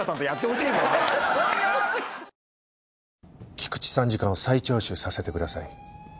菊池参事官を再聴取させてください。